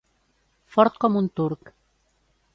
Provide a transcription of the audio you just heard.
Fort com un turc.